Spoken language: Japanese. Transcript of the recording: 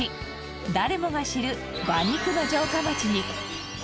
誰もが知る馬肉の城下町に。